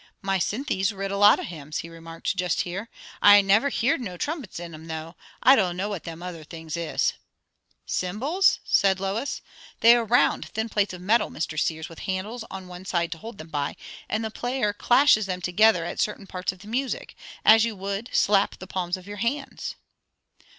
"My Cynthy's writ a lot o' hymns," he remarked just here. "I never heerd no trumpets in 'em, though. I don' know what them other things is." "Cymbals?" said Lois. "They are round, thin plates of metal, Mr. Sears, with handles on one side to hold them by; and the player clashes them together, at certain parts of the music as you would slap the palms of your hands."